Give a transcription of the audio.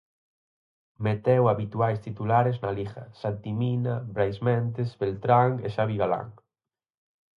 Meteu a habituais titulares na Liga: Santi Mina, Brais Méndez, Beltrán e Javi Galán.